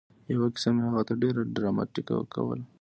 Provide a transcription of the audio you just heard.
یوه کیسه مې هغه ته ډېره ډراماتيکه کوله